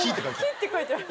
「キ」って書いてある。